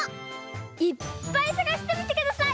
いっぱいさがしてみてください。